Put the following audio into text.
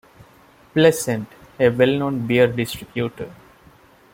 Pleasant, a well-known beer distributor.